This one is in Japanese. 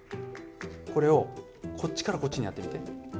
これをこっちからこっちにやってみて。